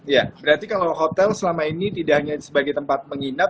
ya berarti kalau hotel selama ini tidak hanya sebagai tempat menginap